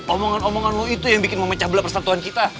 omongan omonganmu itu yang bikin memecah belah persatuan kita